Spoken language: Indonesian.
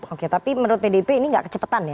oke tapi menurut pdp ini gak kecepatan ya